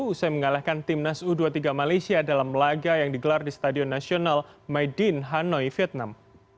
usai mengalahkan timnas u dua puluh tiga malaysia dalam laga yang digelar di stadion nasional maidin hanoi vietnam